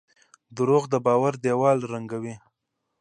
دروغ د باور دیوال ړنګوي.